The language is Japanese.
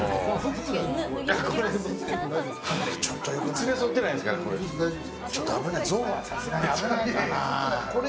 連れ添ってないですから、これ。